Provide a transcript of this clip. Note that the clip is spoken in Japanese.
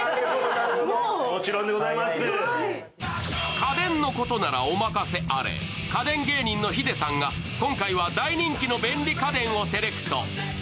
家電のことならお任せあれ、家電芸人のヒデさんが今回は大人気の便利家電をセレクト。